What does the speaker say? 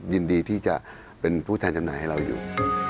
ยินดีที่จะเป็นผู้แทนจำหน่ายให้เราอยู่